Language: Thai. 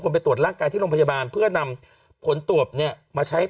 ไปตรวจร่างกายที่โรงพยาบาลเพื่อนำผลตรวจเนี่ยมาใช้